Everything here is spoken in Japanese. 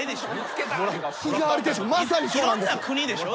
いろんな国でしょ。